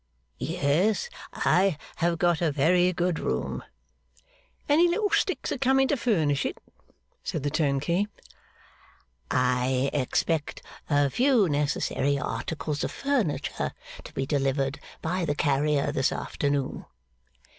'Yes, I have got a very good room.' 'Any little sticks a coming to furnish it?' said the turnkey. 'I expect a few necessary articles of furniture to be delivered by the carrier, this afternoon.